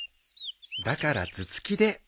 だから頭突きで。